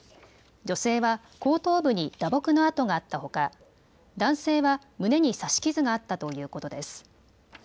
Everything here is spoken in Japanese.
女性は後頭部に打撲の痕があったほか男性は胸に刺し傷があったということです。